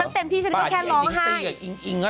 สำเต็มที่ฉันก็แค่ร้องไห้